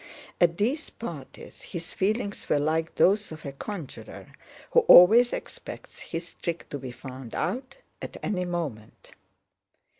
At these parties his feelings were like those of a conjuror who always expects his trick to be found out at any moment.